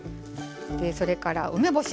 それから、梅干し。